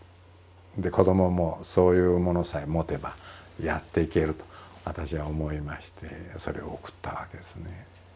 で子どももそういうものさえ持てばやっていけると私は思いましてそれを贈ったわけですね。